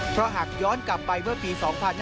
เพราะหากย้อนกลับไปเมื่อปี๒๕๕๙